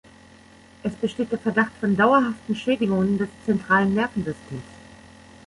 Es besteht der Verdacht von dauerhaften Schädigungen des Zentralen Nervensystems.